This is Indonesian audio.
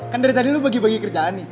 kan dari tadi lu bagi bagi kerjaan nih